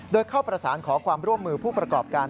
โดยเข้าประสานขอความร่วมมือผู้ประกอบการ